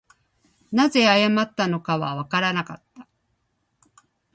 何故謝ったのかはわからなかった